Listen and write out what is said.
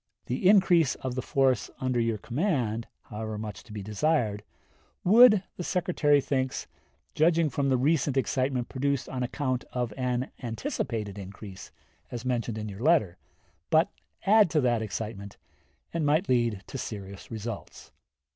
The increase of the force under your command, however much to be desired, would, the Secretary thinks, judging from the recent excitement produced on account of an anticipated increase, as mentioned in your letter, but add to that excitement and might lead to serious results."